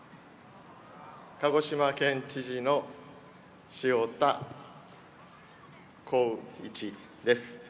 鹿児島県知事の塩田康一です。